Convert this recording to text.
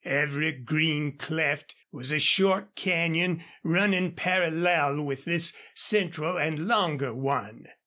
Every green cleft was a short canyon running parallel with this central and longer one.